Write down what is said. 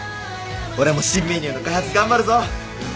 俺も新メニューの開発頑張るぞ。